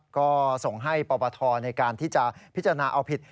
ก็ส่งให้ปปทในการที่จะพิจารณาเอาผิด